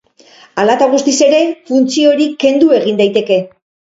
Hala eta guztiz ere, funtzio hori kendu egin daiteke.